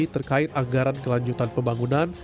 terkait anggaran kelanjutan pembangunan